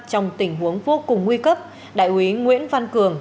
trong tình huống vô cùng nguy cấp đại úy nguyễn văn cường